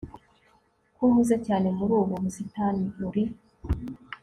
ko uhuze cyane muri ubu busitani uri